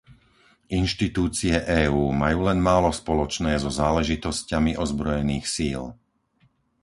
Inštitúcie EÚ majú len málo spoločné so záležitosťami ozbrojených síl.